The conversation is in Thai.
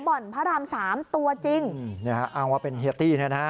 บ่อนพระรามสามตัวจริงอ้าวเขาว่าเป็นเฮียตตี้เนี้ยนะ